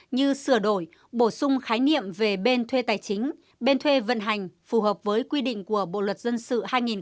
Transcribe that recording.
như sửa đổi bổ sung khái niệm về bên thuê tài chính bên thuê vận hành phù hợp với quy định của bộ luật dân sự hai nghìn một mươi năm